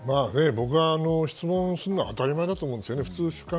僕は質問するのは当たり前だと思うんですよね。